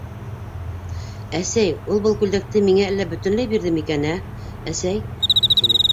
— Әсәй, ул был күлдәкте миңә әллә бөтөнләй бирҙеме икән, ә, әсәй? — тине.